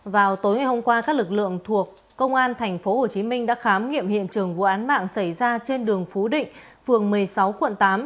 vào tối ngày hôm qua các lực lượng thuộc công an tp hcm đã khám nghiệm hiện trường vụ án mạng xảy ra trên đường phú định phường một mươi sáu quận tám